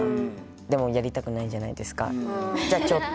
でもやりたくないじゃないですか。